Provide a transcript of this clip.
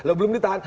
loh belum ditahan